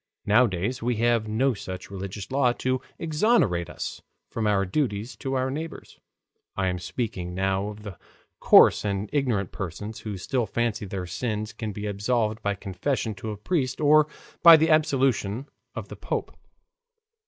Nowadays we have no such religious law to exonerate us from our duties to our neighbors (I am not speaking now of the coarse and ignorant persons who still fancy their sins can be absolved by confession to a priest or by the absolution of the Pope).